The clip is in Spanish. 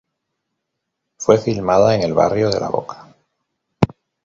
Fue filmada en el barrio de La Boca.